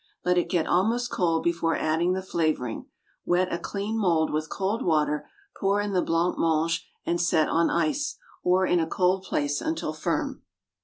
Let it get almost cold before adding the flavoring. Wet a clean mould with cold water; pour in the blanc mange and set on ice, or in a cold place until firm.